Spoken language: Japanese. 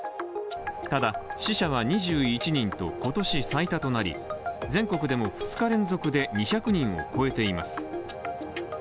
ただ、死者は２１人と今年最多となり全国でも２日連続で２００人を超えています。